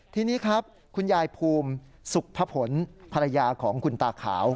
ทีนี้ครับคุณยายภูมิสุขภะผลภรรยาของคุณตาขาว